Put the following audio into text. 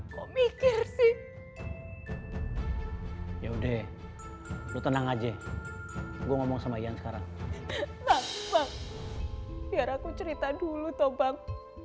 kok mikir sih ya udah lu tenang aja gua ngomong sama jan sekarang aku cerita dulu toh bang